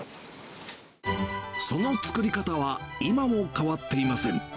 その作り方は今も変わっていません。